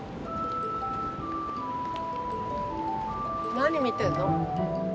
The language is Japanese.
何見てんの？